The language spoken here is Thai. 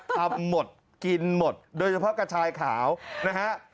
ทำหมดกินหมดโดยเฉพาะกระชายขาวนะฮะ